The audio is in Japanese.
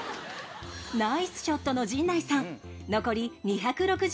ナイスショットの陣内さん残り２６０ヤードです。